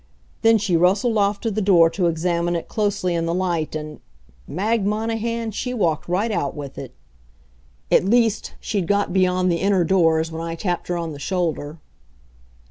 Then she rustled off to the door to examine it closely in the light, and Mag Monahan, she walked right out with it! At least, she'd got beyond the inner doors when I tapped her on the shoulder.